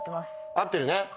合ってるね。